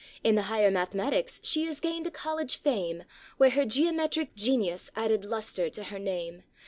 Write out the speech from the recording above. In the higher mathematics she has gained a college fame. Where her geometric genius added luster to her name.